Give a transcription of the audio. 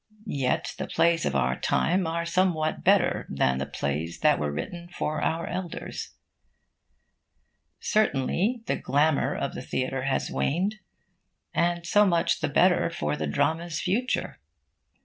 Yet the plays of our time are somewhat better than the plays that were written for our elders. Certainly the glamour of the theatre has waned. And so much the better for the drama's future.